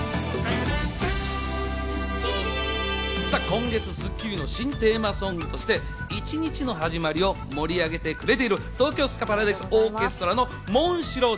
今月『スッキリ』の新テーマソングとして一日の始まりを盛り上げてくれている東京スカパラダイスオーケストラの『紋白蝶』。